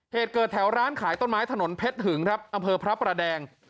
เหตุเกิดแถวร้านขายต้นไม้ถนนเพชรหึงครับอำเภอพระประแดง